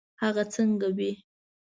هغه څنګه وي.